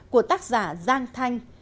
của tác giả giang thanh